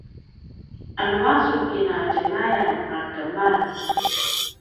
anema su kina tjenglay a keman?